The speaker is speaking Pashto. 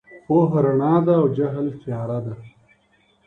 پوهه رڼا ده او جهل تياره ده.